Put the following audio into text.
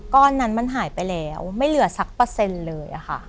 ก้อนนั้นมันหายไปแล้วไม่เหลือสักเปอร์เซ็นต์เลยค่ะ